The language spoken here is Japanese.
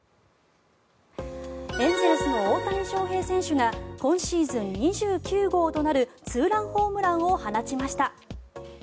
エンゼルスの大谷翔平選手が今シーズン２９号となるツーランホームランを放ちました。